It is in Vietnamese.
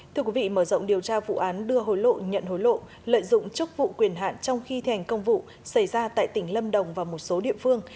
thưa quý vị mở rộng điều tra vụ án đưa hồi lộ nhận hối lộ lợi dụng chức vụ quyền hạn trong khi thành công vụ xảy ra tại tỉnh lâm đồng và một số địa phương